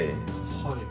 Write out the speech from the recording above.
はい。